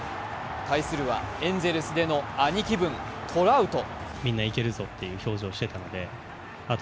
対するはエンゼルスでの兄貴分・トラウト。